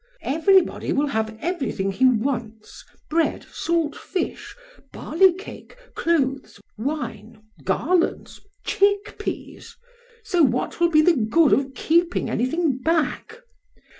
Everybody will have everything he wants, bread, salt fish, barley cake, clothes, wine, garlands, chickpeas. So what will be the good of keeping anything back?